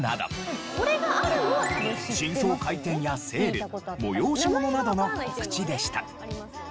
新装開店やセール催し物などの告知でした。